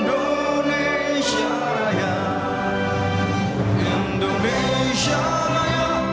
pemirsa dan hadirin sekalian